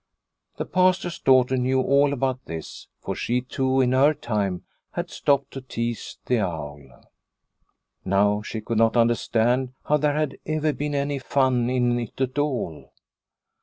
The Pastor's daughter knew all about this, for she too in her time had stopped to tease the owl. Now she could not understand how there had ever been any fun in it at all.